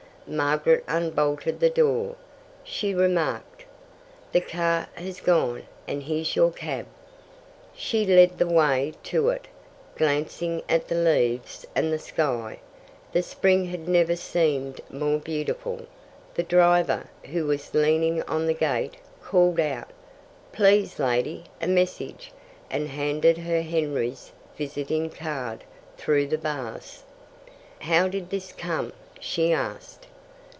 Margaret unbolted the door. She remarked: "The car has gone, and here's your cab." She led the way to it, glancing at the leaves and the sky. The spring had never seemed more beautiful. The driver, who was leaning on the gate, called out, "Please, lady, a message," and handed her Henry's visiting card through the bars. "How did this come?" she asked.